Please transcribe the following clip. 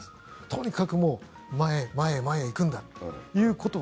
とにかく前へ、前へ、前へ行くんだということ。